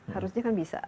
harusnya kan bisa